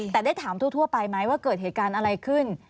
ทำอะไรมาเขาก็เข้าไปไหมว่าเกิดเหตุการณ์อะไรขึ้น